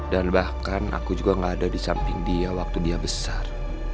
dan bahkan aku juga nggak ada di samping dia waktu dia besar